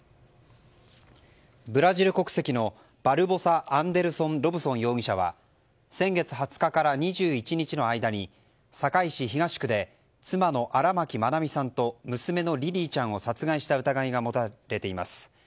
ブラジル国籍のバルボサ・アンデルソン・ロブソン容疑者は先月２０日から２１日の間に堺市東区で妻の荒牧愛美さんと娘のリリィちゃんを殺害した疑いが持たれています。